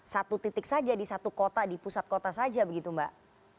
satu titik saja di satu kota di pusat kota saja begitu mbak